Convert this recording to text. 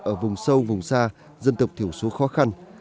ở vùng sâu vùng xa dân tộc thiểu số khó khăn